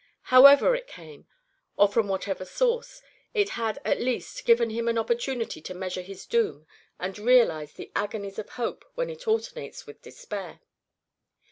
However it came, or from whatever source, it had at least given him an opportunity to measure his doom and realise the agonies of hope when it alternates with despair.